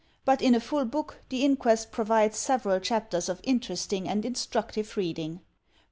But in a full book the inquest provides several chapters of interesting and instructive reading.